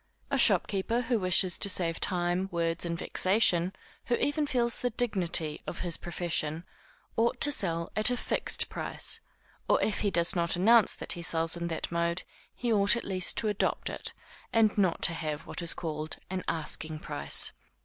A shopkeeper who wishes to save time, words and vexation, who even feels the dignity of his profession, ought to sell at a fixed price, or if he does not announce that he sells in that mode, he ought at least to adopt it, and not to have what is called an asking price.